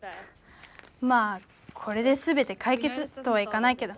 まあこれですべてかいけつとはいかないけど。